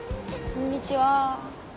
こんにちは。